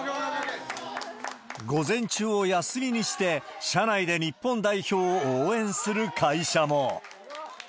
午前中を休みにして、社内で日本代表を応援する会社も。